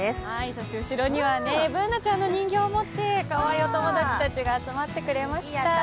そして後ろには、Ｂｏｏｎａちゃんの人形を持って、かわいいお友達たちが、集まってくれました。